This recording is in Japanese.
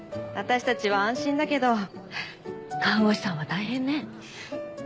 私たちは安心だけど看護師さんは大変ね。